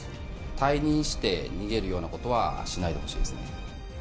退任して、逃げるようなことはしないでほしいですね。